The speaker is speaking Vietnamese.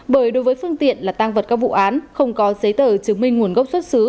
bởi đối với phương tiện là tăng vật các vụ án không có giấy tờ chứng minh nguồn gốc xuất xứ